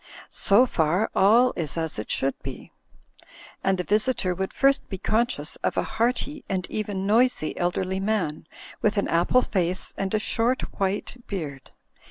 So far all is as it should be ; and the visitor would first be conscious of a hearty and even noisy elderly man, with an apple face and a short white beard.